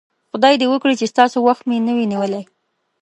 خدای دې وکړي چې ستاسو وخت مې هم نه وي نیولی.